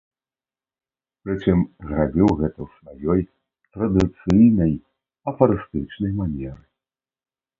Прычым зрабіў гэта ў сваёй традыцыйнай афарыстычнай манеры.